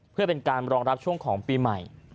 เพื่อเป็นการรองรับช่วงของปีใหม่